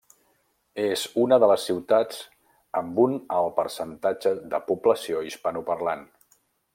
És una de les ciutats amb un alt percentatge de població hispanoparlant.